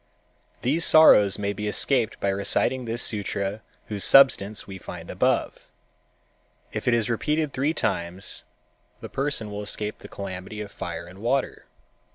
These sorrows may be escaped by reciting this sutra whose substance we find above. If it is repeated three times the person will escape the calamity of fire and water.